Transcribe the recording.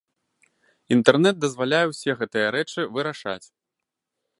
Інтэрнэт дазваляе ўсе гэтыя рэчы вырашаць.